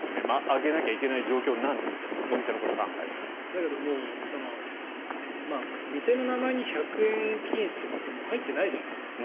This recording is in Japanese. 上げなきゃいけない状況なんですけど店の名前に１００円均一とかってもう入ってないじゃないですか。